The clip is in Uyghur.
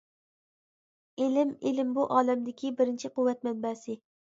ئىلىم ئىلىم-بۇ ئالەمدىكى بىرىنچى قۇۋۋەت مەنبەسى.